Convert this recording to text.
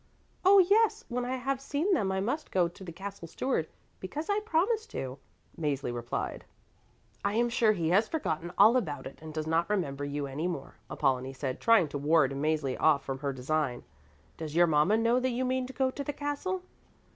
"Oh, yes, when I have seen them I must go to the Castle Steward because I promised to," Mäzli replied. "I am sure he has forgotten all about it and does not remember you any more," Apollonie said, trying to ward Mäzli off from her design. "Does your mama know that you mean to go to the castle?"